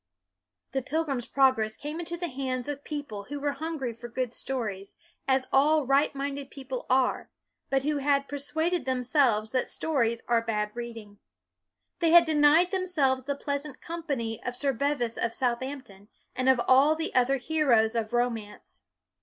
The " Pilgrim's Progress ' came into the hands of people who were hungry for good stories, as all right minded people are, but who had persuaded themselves that stories are bad reading. They had denied themselves the pleasant company of Sir Bevis of Southampton and of all the other heroes of romance.